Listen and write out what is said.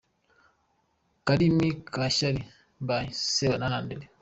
Karimi ka shyari by Sebanani Andre.